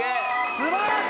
素晴らしい！